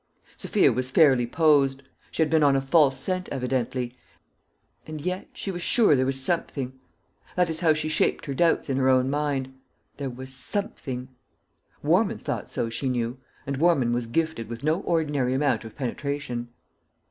Sophia was fairly posed; she had been on a false scent evidently, and yet she was sure there was something. That is how she shaped her doubts in her own mind there was something. Warman thought so, she knew; and Warman was gifted with no ordinary amount of penetration.